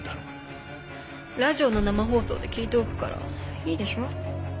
ラジオの生放送で聞いておくからいいでしょ？